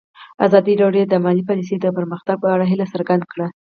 ازادي راډیو د مالي پالیسي د پرمختګ په اړه هیله څرګنده کړې.